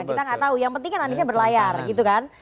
kita nggak tahu yang penting kan aniesnya berlayar gitu kan